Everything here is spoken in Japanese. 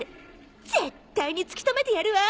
絶対に突き止めてやるわ。